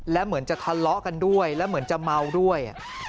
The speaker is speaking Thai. และเหมือนจะทะเลาะกันด้วยแล้วเหมือนจะเมาด้วย